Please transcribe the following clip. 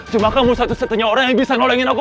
cuma kamu satu setenya orang yang bisa nolengin aku